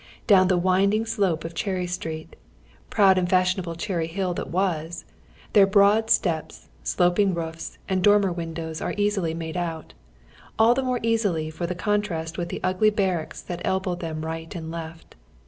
Down the winding slope of Cherry Street — proud and fashionable C]ierry Hill that was — their broad steps, sloping roofs, and dormer windows are easily made out; all the more easily for the contrast with the ugly bar racks that elbow them right and left.